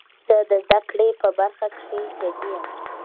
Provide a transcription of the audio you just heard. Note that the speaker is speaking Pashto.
زه د زده کړي په برخه کښي جدي یم.